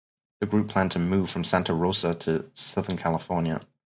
The group planned to move from Santa Rosa to southern California.